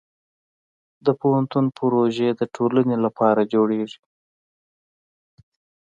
د پوهنتون پروژې د ټولنې لپاره جوړېږي.